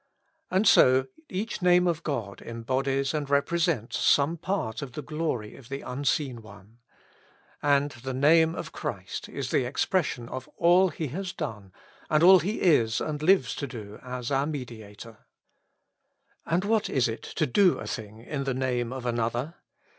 And so each name of God embodies and represents some part of the glory of the Unseen One. And the Name of Christ is the expression of all He has done and all He is and lives to do as our Mediator. And what is it to do a thing in the name of another